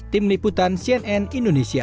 tim liputan cnn indonesia